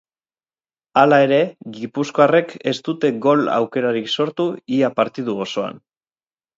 Hala ere, gipuzkoarrek ez dute gol aukerarik sortu ia partidu osoan.